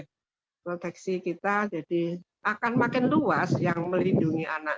proteksi kita jadi akan makin luas yang melindungi anak